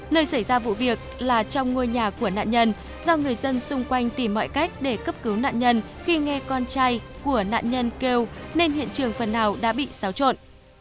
nơi xảy ra vụ việc là trong ngôi nhà của nạn nhân do người dân xung quanh tìm mọi cách để cấp cứu nạn nhân khi nghe con trai của nạn nhân kêu nên hiện trường phần nào đã bị xáo trộn